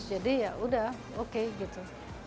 jadi ya udah oke gitu